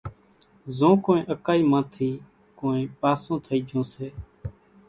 زو ڪونئين اڪائِي مان ٿِي ڪونئين پاسُون ٿئِي جھون سي